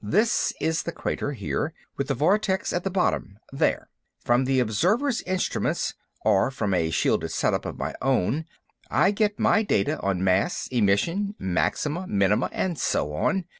"This is the crater, here, with the vortex at the bottom, there. From the observers' instruments or from a shielded set up of my own I get my data on mass, emission, maxima, minima, and so on.